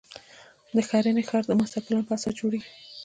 د ښرنې ښار د ماسټر پلان په اساس جوړېږي.